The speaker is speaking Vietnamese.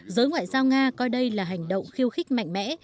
giới ngoại giao nga coi đây là hành động khiêu khích mạnh mẽ